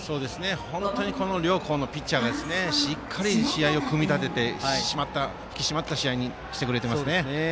本当に両校のピッチャーがしっかりと試合を組み立てて引き締まった試合にしてくれていますね。